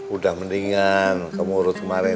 udah mendingan kamu urut kemarin